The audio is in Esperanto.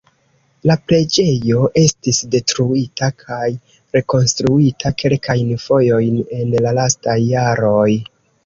La preĝejo estis detruita kaj rekonstruita kelkajn fojojn en la lastaj jaroj.